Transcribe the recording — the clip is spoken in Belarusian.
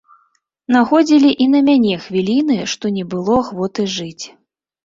Находзілі і на мяне хвіліны, што не было ахвоты жыць.